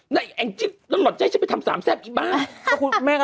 สูงออกออกไม่ได้เลยแม่